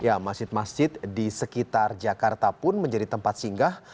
ya masjid masjid di sekitar jakarta pun menjadi tempat singgah